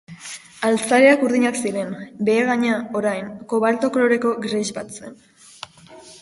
Altzariak urdinak ziren, behegaina, orain, kobalto koloreko gres bat zen.